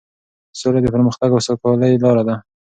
سوله د پرمختګ او سوکالۍ لاره ده.